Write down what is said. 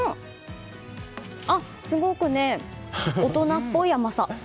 すごく大人っぽい甘さ。